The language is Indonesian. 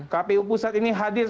kpu pusat ini hadir